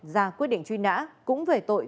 ra quyết định truy nã cũng về tội